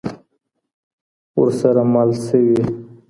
ورسره مل سوي.